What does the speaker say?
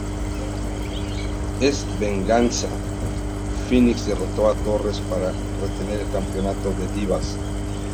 En Vengeance, Phoenix derrotó a Torres para retener el Campeonato de Divas.